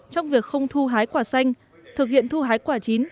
trong việc không thu hái quả xanh thực hiện thu hái quả chín